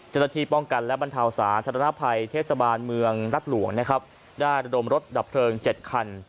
เจ้าหน้าที่ป้องกันและบรรเทาสาธารณภัยเทศบาลเมืองรัฐหลวงนะครับได้ระดมรถดับเพลิง๗คัน